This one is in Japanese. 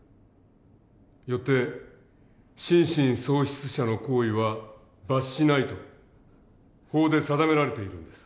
よって「心神喪失者の行為は罰しない」と法で定められているんです。